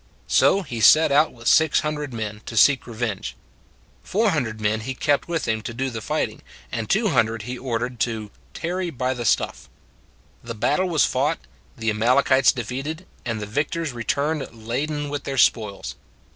So he set out with six hundred men, to seek revenge. Four hundred men he kept with him to do the fighting, and two hun dred he ordered to " tarry by the stuff." The battle was fought, the Amalekites defeated, and the victors returned laden with their spoils.